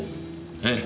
ええ。